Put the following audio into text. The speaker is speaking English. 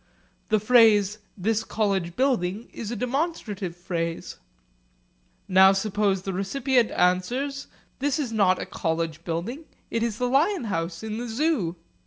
The phrase 'this college building' is a demonstrative phrase. Now suppose the recipient answers, 'This is not a college building, it is the lion house in the Zoo.'